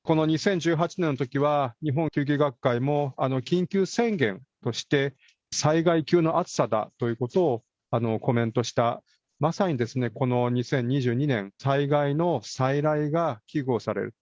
この２０１８年のときは、日本救急学会も、緊急宣言として、災害級の暑さだということをコメントした、まさにこの２０２２年、災害の再来が危惧をされる。